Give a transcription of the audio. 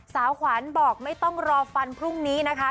สาวขวัญบอกไม่ต้องรอฟันพรุ่งนี้นะคะ